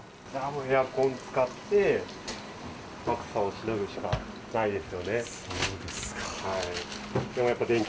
エアコンを使って暑さをしのぐしかないです。